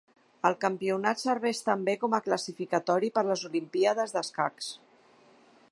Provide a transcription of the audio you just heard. El campionat serveix també com a classificatori per les Olimpíades d'escacs.